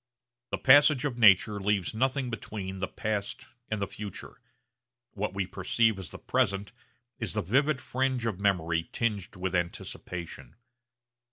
The passage of nature leaves nothing between the past and the future. What we perceive as present is the vivid fringe of memory tinged with anticipation.